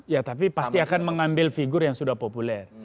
ya tapi pasti akan mengambil figur yang sudah populer